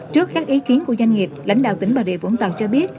trước các ý kiến của doanh nghiệp lãnh đạo tỉnh bà rịa vũng tàu cho biết